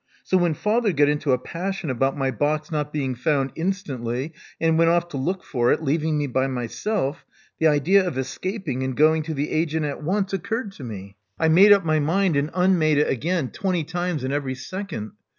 So when father got into a passion about my box not being found instantly, and went off to look for it, leaving me by myself, the idea of escaping and going to the agent at once occurred to me. I made 8o Love Among the Artists up my mind and unmade it again, twenty times in every second.